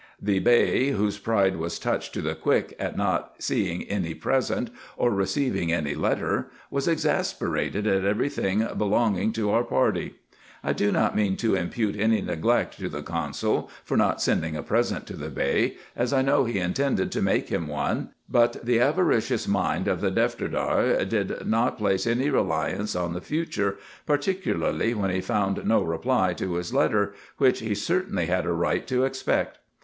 The Bey, whose pride was touched to the quick at not seeing any present, or receiving any letter, was exasperated at every thing belonging to our party. I do not mean to impute any neglect to the consul for not sending a present to the Bey, as I know he intended to make him one ; but the avaricious mind of the Defterdar did not place any reliance on the future, particularly when he found no reply to his letter, which he certainly had a right to expect.